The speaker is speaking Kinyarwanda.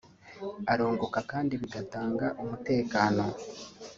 arunguka kandi bigatanga umutekano